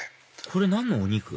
これ何のお肉？